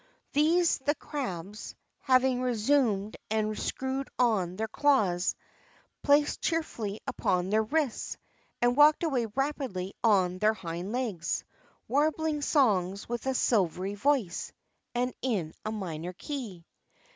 These the crabs, having resumed and screwed on their claws, placed cheerfully upon their wrists and walked away rapidly on their hind legs, warbling songs with a silvery voice and in a minor key.